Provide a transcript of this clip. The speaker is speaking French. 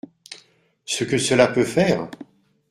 Ce que cela peut faire ?…